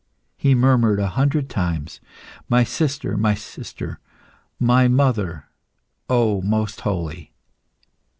He murmured a hundred times, "My sister, my sister, my mother, O most holy!"